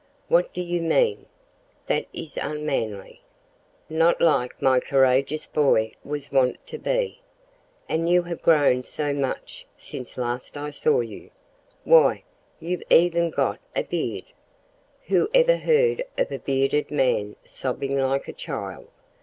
What do you mean? That is unmanly. Not like what my courageous boy was wont to be. And you have grown so much since last I saw you. Why, you've even got a beard! Who ever heard of a bearded man sobbing like a child?